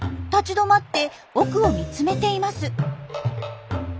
立ち止まって奥を見つめています。